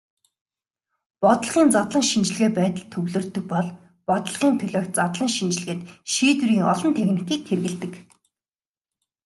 Бодлогын задлан шинжилгээ байдалд төвлөрдөг бол бодлогын төлөөх задлан шинжилгээнд шийдвэрийн олон техникийг хэрэглэдэг.